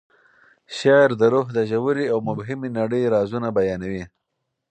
شعر د روح د ژورې او مبهمې نړۍ رازونه بیانوي.